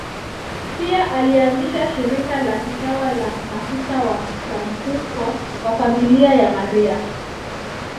Pia alianzisha shirika la kitawa la Masista Wafransisko wa Familia ya Maria.